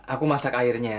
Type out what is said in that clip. aku masak airnya